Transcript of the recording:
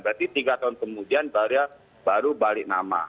berarti tiga tahun kemudian baru balik nama